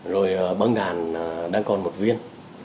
rồi băng đàn đang còn một viên